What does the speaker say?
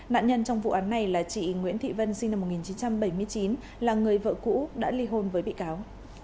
nạn nhân trong vụ án này là chị nguyễn thị vân sinh năm một nghìn chín trăm bảy mươi chín là người vợ cũ đã ly hôn với bị cáo